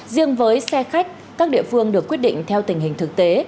riêng với xe khách các địa phương được quyết định theo tình hình thực tế